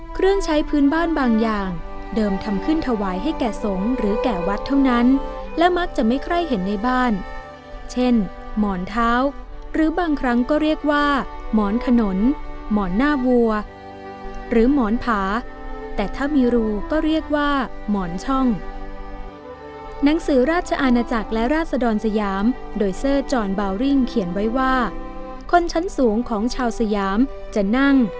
มคมคมคมคมคมคมคมคมคมคมคมคมคมคมคมคมคมคมคมคมคมคมคมคมคมคมคมคมคมคมคมคมคมคมคมคมคมคมคมคมคมคมคมคมคมคมคมคมคมคมคมคมคมคมคมค